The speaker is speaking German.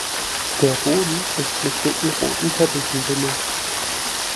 Der Boden ist mit dicken roten Teppichen belegt.